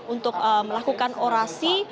untuk melakukan orasi